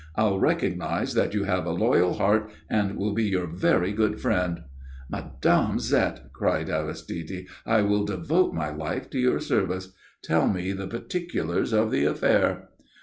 "I'll recognize that you have a loyal heart, and will be your very good friend." "Mme. Zette," cried Aristide, "I will devote my life to your service. Tell me the particulars of the affair."